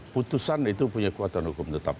putusan itu punya kekuatan hukum tetap